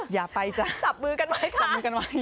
อย่าไปจ้ะจับมือกันไว้ค่ะ